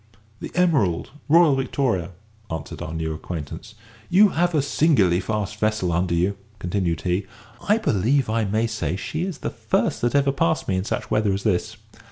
"The Emerald, Royal Victoria," answered our new acquaintance. "You have a singularly fast vessel under you," continued he; "I believe I may say she is the first that ever passed me in such weather as this.